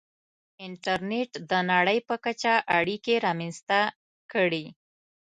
• انټرنېټ د نړۍ په کچه اړیکې رامنځته کړې.